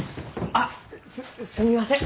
あすすみません！